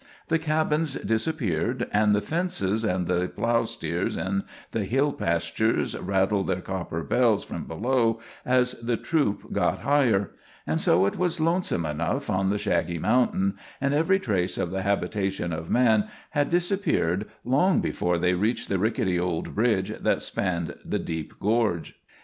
The cabins disappeared, and the fences, and the plow steers in the hill pastures rattled their copper bells from below as the troop got higher; and so it was lonesome enough on the shaggy mountain, and every trace of the habitation of man had disappeared long before they reached the rickety old bridge which spanned the deep gorge.